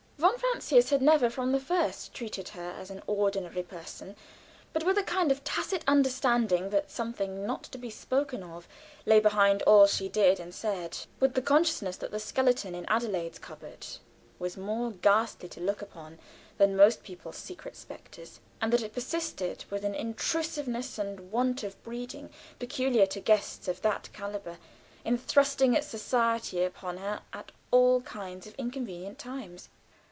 Von Francius had never from the first treated her as an ordinary person, but with a kind of tacit understanding that something not to be spoken of lay behind all she did and said, with the consciousness that the skeleton in Adelaide's cupboard was more ghastly to look upon than most people's secret specters, and that it persisted, with an intrusiveness and want of breeding peculiar to guests of that caliber, in thrusting its society upon her at all kinds of inconvenient times.